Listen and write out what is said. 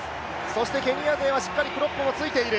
そしてケニア勢はしっかりクロップもついている。